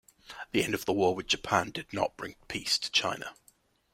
The end of the war with Japan did not bring peace to China.